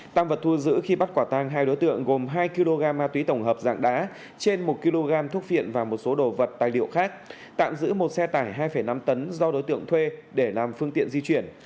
tăng vật thu giữ khi bắt quả tang hai đối tượng gồm hai kg ma túy tổng hợp dạng đá trên một kg thuốc viện và một số đồ vật tài liệu khác tạm giữ một xe tải hai năm tấn do đối tượng thuê để làm phương tiện di chuyển